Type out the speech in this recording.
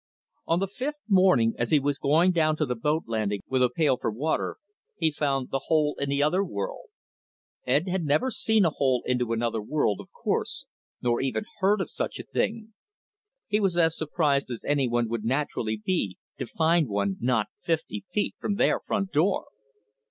On the fifth morning, as he was going down to the boat landing with a pail for water, he found the hole into the other world. Ed had never seen a hole into another world, of course, nor even heard of such a thing. He was as surprised as any one would naturally be to find one not fifty feet from their front door.